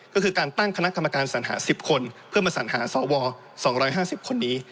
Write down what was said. ก็คือการตั้งคศ๑๐คนเพื่อมาสั่นหาสว๒๕๐คนนี้